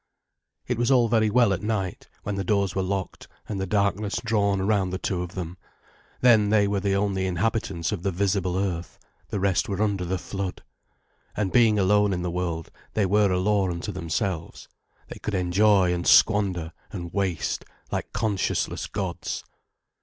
It was all very well at night, when the doors were locked and the darkness drawn round the two of them. Then they were the only inhabitants of the visible earth, the rest were under the flood. And being alone in the world, they were a law unto themselves, they could enjoy and squander and waste like conscienceless gods.